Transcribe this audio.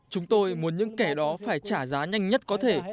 chúng tôi muốn những kẻ đó phải trả giá nhanh nhất có thể